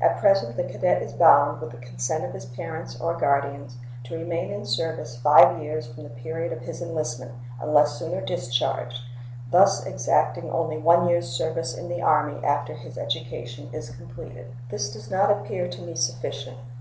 At present the cadet is bound, with consent of his parents or guardians, to remain in service five years from the period of his enlistment, unless sooner discharged, thus exacting only one year's service in the Army after his education is completed. This does not appear to me sufficient.